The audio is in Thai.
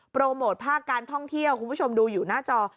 โปรโมทภาคการท่องเที่ยวคุณผู้ชมดูอยู่หน้าจอ